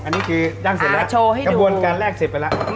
อันนี้คือย่างเสร็จแล้วอ่าโชว์ให้ดูกระบวนการแรกเสร็จไปแล้ว